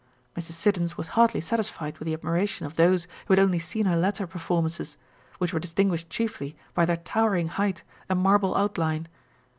Mrs. Siddons was hardly satisfied with the admiration of those who had only seen her latter perform ances, which were distinguished chiefly by their towering height and marble outline.